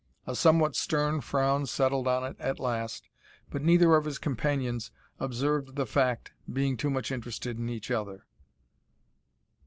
A somewhat stern frown settled on it at last but neither of his companions observed the fact being too much interested in each other.